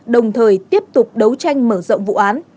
đồng thời tiếp tục đấu tranh mở rộng vụ án